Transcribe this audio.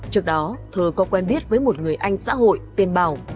trước đó thơ có quen biết với một người anh xã hội tiền bảo